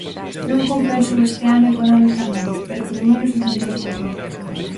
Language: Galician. Non compensou este ano economicamente, pero polo menos intentouse facer.